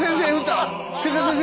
千田先生